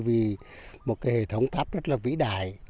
vì một cái hệ thống tháp rất là vĩ đại